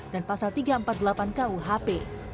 dan pasal tiga ratus empat puluh delapan kuhp